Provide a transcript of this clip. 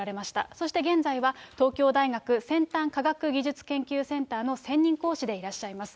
そして、現在は東京大学先端科学技術研究センターの専任講師でいらっしゃいます。